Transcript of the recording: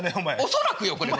恐らくよこれは。